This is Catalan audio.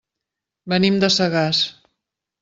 Venim de Sagàs.